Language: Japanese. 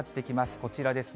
こちらですね。